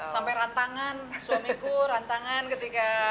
sampai rantangan suamiku rantangan ketika